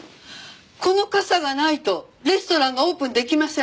この傘がないとレストランがオープン出来ません！